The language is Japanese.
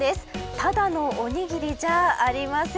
ただのおにぎりじゃありません。